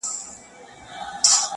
• گرانه دا اوس ستا د ځوانۍ په خاطر،